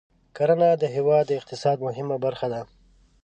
کرنه د هېواد د اقتصاد مهمه برخه ده.